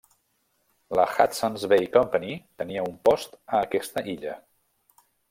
La Hudson's Bay Company tenia un post a aquesta illa.